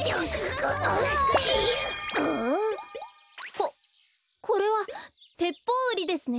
おっこれはテッポウウリですね。